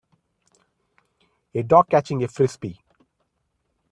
A dog catching a Frisbee.